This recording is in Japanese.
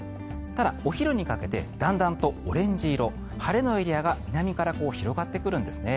ただ、お昼にかけてだんだんとオレンジ色晴れのエリアが南から広がってくるんですね。